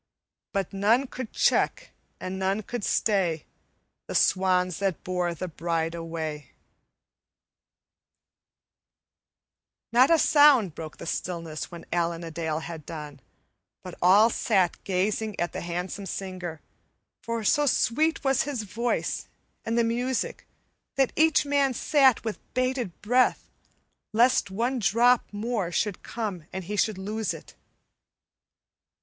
But none could check and none could stay, The swans that bore the bride away_." Not a sound broke the stillness when Allan a Dale had done, but all sat gazing at the handsome singer, for so sweet was his voice and the music that each man sat with bated breath, lest one drop more should come and he should lose it.